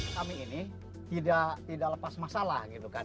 kami ini tidak lepas masalah gitu kan